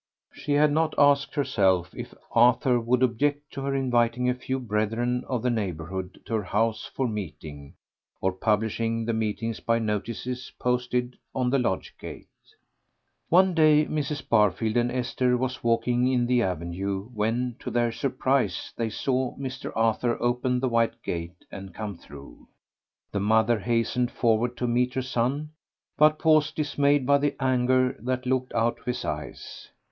She had not asked herself if Arthur would object to her inviting a few brethren of the neighbourhood to her house for meeting, or publishing the meetings by notices posted on the lodge gate. One day Mrs. Barfield and Esther were walking in the avenue, when, to their surprise, they saw Mr. Arthur open the white gate and come through. The mother hastened forward to meet her son, but paused, dismayed by the anger that looked out of his eyes.